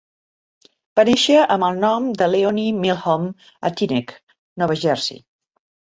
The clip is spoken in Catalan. Va néixer amb el nom de Leonie Milhomme a Teaneck, Nova Jersey.